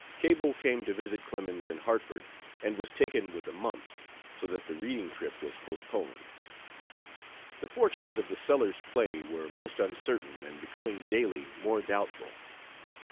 Cable came to visit Clemens in Hartford, and was taken with the mumps, so that the reading trip was postponed. The fortunes of the Sellers play were most uncertain and becoming daily more doubtful.